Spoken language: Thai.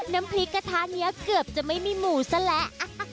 น้ำพริกกระทะนี้เกือบจะไม่มีหมูซะแหละ